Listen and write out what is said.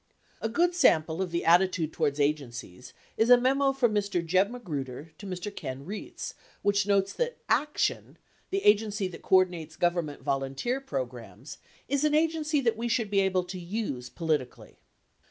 A good sample of the attitude toward agencies is a memo from Mr. Jeb Magruder to Mr. Ken Reitz which notes that ACTION, the agency that coordinates Government volunteer programs, "is an agency that we should be able to use politically."